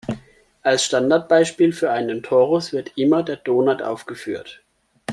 Als Standardbeispiel für einen Torus wird immer der Donut aufgeführt.